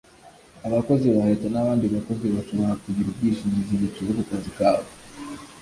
abakozi ba leta n'abandi bakozi bashobora kugira ubwishingizi buciye ku kazi kabo